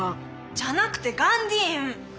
じゃなくてガンディーン！